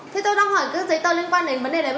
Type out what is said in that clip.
thế tôi đang hỏi các giấy tờ liên quan đến vấn đề này